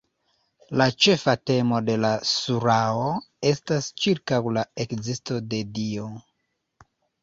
La ĉefa temo de la surao estas ĉirkaŭ la ekzisto de Dio.